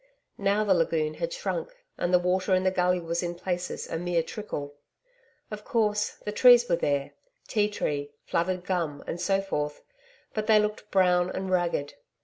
Now the lagoon had shrunk and the water in the gully was in places a mere trickle. Of course, the trees were there ti tree, flooded gum, and so forth but they looked brown and ragged.